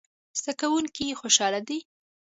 زده کوونکي خوشحاله دي